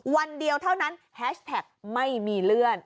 วันเดียวเท่านั้นแฮชแท็กไม่มีเลื่อน